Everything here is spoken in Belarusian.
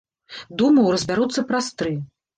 Думаў, разбяруцца праз тры.